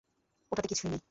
ওটাতে কিছুই নেই!